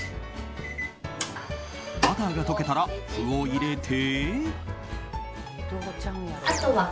バターが溶けたら麩を入れて。